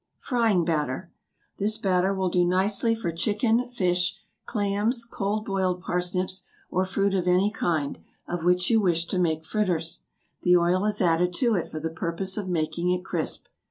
=Frying Batter.= This batter will do nicely for chicken, fish, clams, cold boiled parsnips, or fruit of any kind, of which you wish to make fritters. The oil is added to it for the purpose of making it crisp.